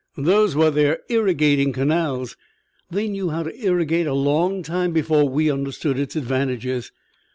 "Those were their irrigating canals. They knew how to irrigate a long time before we understood its advantages.